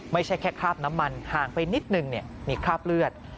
ไม่ใช่แค่คราบน้ำมันห่างไปนิดนึงมีคราบเลือด